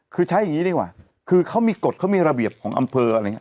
คือใช้อย่างนี้ดีกว่าคือเขามีกฎเขามีระเบียบของอำเภออะไรอย่างนี้